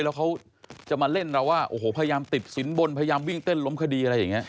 แล้วเขาจะมาเล่นเราว่าโอ้โหพยายามติดสินบนพยายามวิ่งเต้นล้มคดีอะไรอย่างนี้